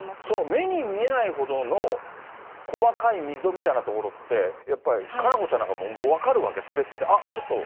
その目に見えないほどの細かい溝みたいなところって、やっぱり佳菜子ちゃんなんかも分かるわけ？